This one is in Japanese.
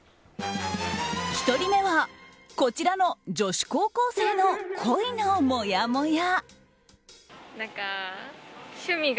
１人目はこちらの女子高校生の恋のもやもや。